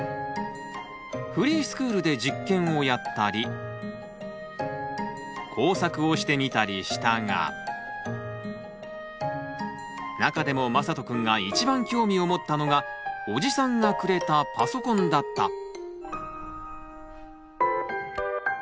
フリースクールで実験をやったり工作をしてみたりしたが中でもまさとくんが一番興味を持ったのが伯父さんがくれたパソコンだった。